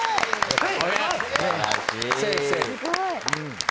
はい。